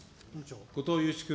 後藤祐一君。